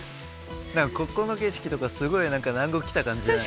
なんかここの景色とかすごい南国来た感じじゃない？